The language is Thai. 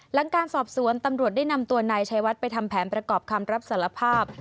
หลังการสอบสวนตำรวจได้นำตัวนายชัยวัดไปทำแผนประกอบคำรับสารภาพ